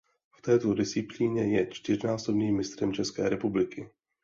V této disciplíně je čtyřnásobným Mistrem České republiky.